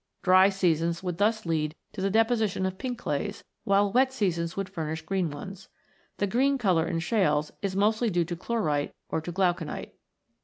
Dry seasons would thus lead to the deposition of pink clays, while wet seasons would furnish green ones. The green colour in shales is mostly due to chlorite or to glauconite.